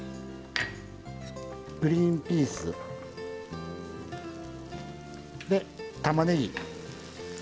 グリンピース。でたまねぎ。